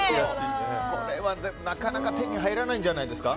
これはなかなか手に入らないんじゃないですか。